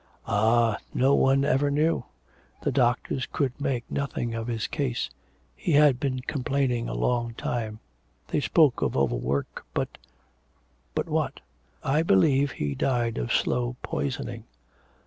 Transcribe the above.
'Ah, no one ever knew. The doctors could make nothing of his case. He had been complaining a long time. They spoke of overwork, but ' 'But, what?' 'I believe he died of slow poisoning.'